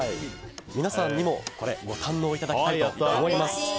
皆さんにもご堪能いただきたいと思います。